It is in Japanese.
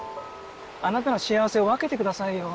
あなたの幸せを分けてくださいよ。